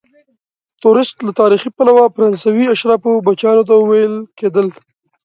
توریست له تاریخي پلوه فرانسوي اشرافو بچیانو ته ویل کیدل.